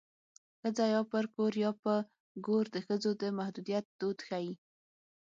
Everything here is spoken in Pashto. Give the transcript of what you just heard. ښځه یا پر کور یا په ګور د ښځو د محدودیت دود ښيي